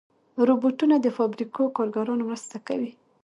روبوټونه د فابریکو کارګران مرسته کوي.